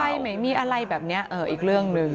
มีไฟมีอะไรแบบเนี่ยอีกเรื่องนึง